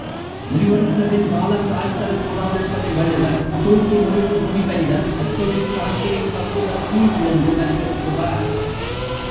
முடிவெடுத்தபின் காலந் தாழ்த்தல் கூடாதென்பதை வள்ளுவர், சூழ்ச்சி முடிவு துணிவெய்தல் அத்துணிவு தாழ்ச்சியுள் தங்குதல் தீது என்று வலியுறுத்துவார்.